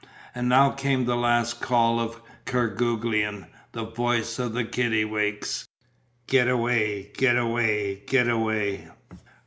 And now came the last call of Kerguelen, the voice of the kittiwakes: "Get away get away get away."